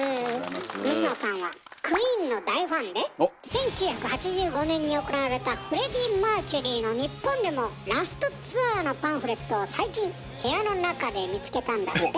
水野さんはＱＵＥＥＮの大ファンで１９８５年に行われたフレディ・マーキュリーの日本でのラストツアーのパンフレットを最近部屋の中で見つけたんだって？